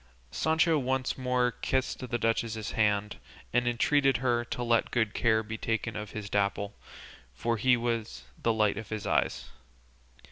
Sancho once more kissed the duchess's hand, and entreated her to let good care be taken of his Dapple, for he was the light of his eyes.